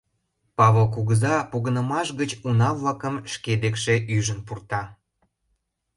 Павыл кугыза погынымаш гыч уна-влакым шке декыже ӱжын пурта.